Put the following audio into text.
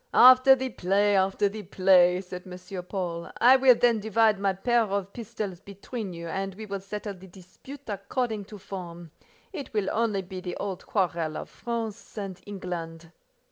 "After the play, after the play," said M. Paul. "I will then divide my pair of pistols between you, and we will settle the dispute according to form: it will only be the old quarrel of France and England."